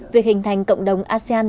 việc hình thành cộng đồng asean